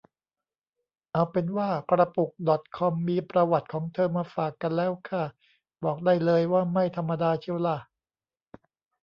เอาเป็นว่ากระปุกดอทคอมมีประวัติของเธอมาฝากกันแล้วค่ะ บอกได้เลยว่าไม่ธรรมดาเชียวล่ะ